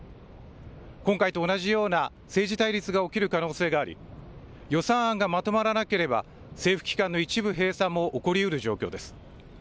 今回と同じような政治対立が起きる可能性があり予算案がまとまらなければ政府機関の一部閉鎖も起こりうる状況です。